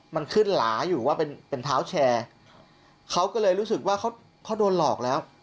มันขึ้นหลาอยู่ว่าเป็นเป็นเท้าแชร์เขาก็เลยรู้สึกว่าเขาเขาโดนหลอกแล้ว